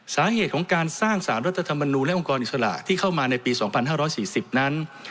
สาเหตุของการสร้างสารรัฐธรรมนูลและองค์กรอิสระที่เข้ามาในปี๒๕๔๐นั้น